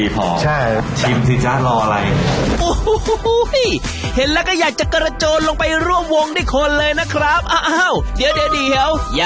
พอแบบกินเข้าไปแล้วพอได้เคี๊ยวเท่านั้นแหละ